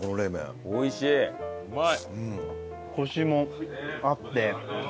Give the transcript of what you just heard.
うまい！